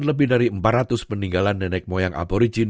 lebih dari empat ratus peninggalan nenek moyang aborigin